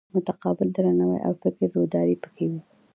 متقابل درناوی او فکري روداري پکې وي.